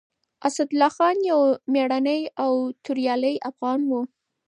اسدالله خان يو مېړنی او توريالی افغان و.